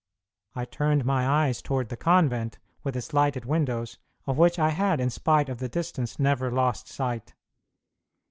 I turned my eyes toward the convent, with its lighted windows, of which I had, in spite of the distance, never lost sight.